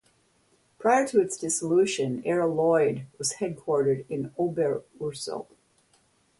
Prior to its dissolution, Aero Lloyd was headquartered in Oberursel.